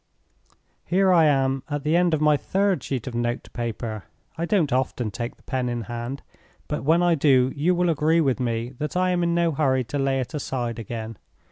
"Here I am at the end of my third sheet of note paper! I don't often take the pen in hand; but when I do, you will agree with me that I am in no hurry to lay it aside again.